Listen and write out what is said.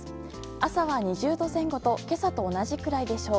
朝は２０度前後と今朝と同じくらいでしょう。